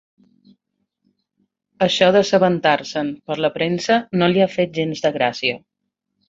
Això d'assabentar-se'n per la premsa no li ha fet gens de gràcia.